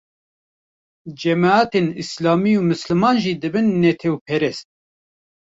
cemeatên Îslamê û misliman jî dibin netewperest